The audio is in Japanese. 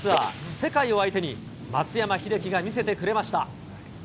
世界を相手に松山英樹が見せてくれました。